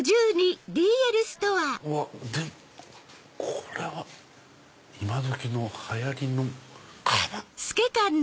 これは今どきの流行りのカバン？